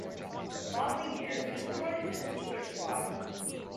The following year, he was promoted to the senior squad.